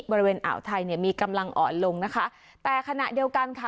บริเวณอ่าวไทยเนี่ยมีกำลังอ่อนลงนะคะแต่ขณะเดียวกันค่ะ